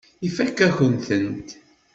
Ifakk-akent-tent.